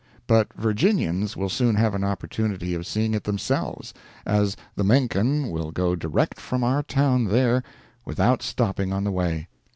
But Virginians will soon have an opportunity of seeing it themselves, as "the Menken" will go direct from our town there without stopping on the way.